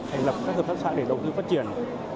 thành lập các hợp tác xã để đầu tư phát triển